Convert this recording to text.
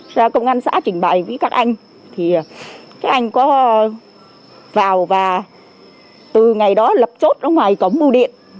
ra công an xã trình bày với các anh thì các anh có vào và từ ngày đó lập chốt ở ngoài cổng bu điện